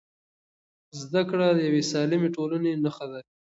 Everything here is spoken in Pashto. زده کړه د یوې سالمې ټولنې نښه ده.